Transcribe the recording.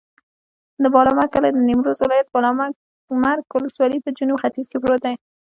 د بالامرګ کلی د نیمروز ولایت، بالامرګ ولسوالي په جنوب ختیځ کې پروت دی.